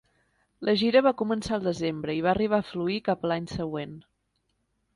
La gira va començar el desembre i va arribar a fluir cap a l'any següent.